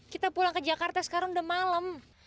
kita pulang ke jakarta sekarang udah malam